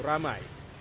tidak terlalu ramai